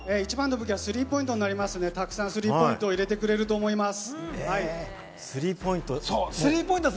スリーポイントになりますね、たくさんスリーポイントを入れてくれると思います。